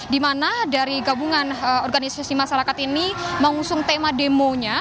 di mana dari gabungan organisasi masyarakat ini mengusung tema demonya